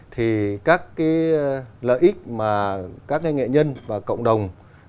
thì các cái lợi ích mà các nghệ nhân và cộng đồng